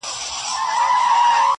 پرېږدی په اور يې اوربل مه ورانوی.!